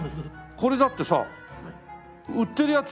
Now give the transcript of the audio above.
これだってさ売ってるやつ？